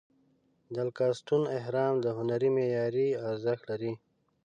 د الکاستون اهرام د هنري معمارۍ ارزښت لري.